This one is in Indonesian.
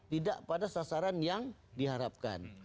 tidak pada sasaran yang diharapkan